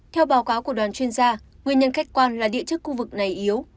theo báo cáo của đoàn chuyên gia nguyên nhân khách quan là địa chất khu vực này yếu